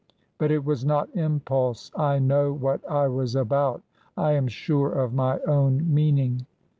''" But it was not impulse. I know what I was about. I am sure of my own meaning."